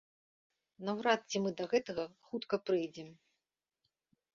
Наўрад ці мы да гэтага хутка прыйдзем.